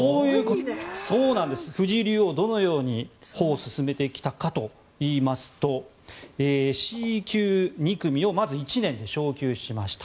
藤井竜王、どのように歩を進めてきたかといいますとＣ級２組をまず１年で昇級しました。